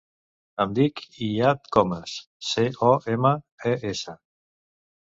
Em dic Iyad Comes: ce, o, ema, e, essa.